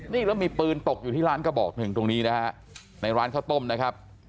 นี่แล้วมีปืนตกอยู่ที่ร้านกระบอกหนึ่งตรงนี้นะฮะในร้านข้าวต้มนะครับ